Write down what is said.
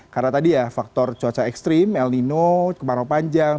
karena tadi ya faktor cuaca ekstrim el nino kemarau panjang